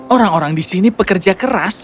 orang orang di sini pekerja keras